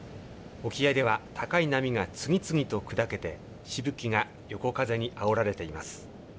沖合では、高い波が次々と砕けて、しぶきが横風にあおられています。